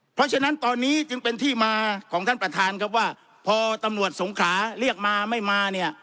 เพราะฉะนั้นตอนนี้จึงเป็นที่มาของท่านประธานครับว่าพอตำรวจสงขาเรียกมาไม่มาเนี่ย